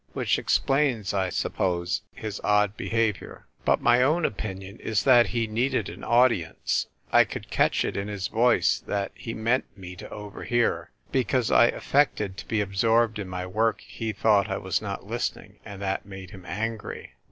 Which explains, I suppose, his odd behaviour. But my own opinion is that he needed an audience ; I could catch it in his voice that he meant me to overhear ; because I affected to be absorbed in my work he thought I was not listening, and that made him angry.